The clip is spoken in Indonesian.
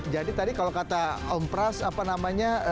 jadi tadi kalau kata om pras apa namanya